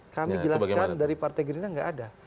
kami jelaskan dari partai gerindra nggak ada